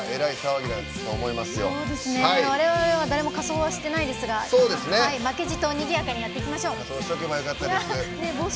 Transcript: われわれは誰も仮装はしてないですが負けじと、にぎやかにやっていきましょう。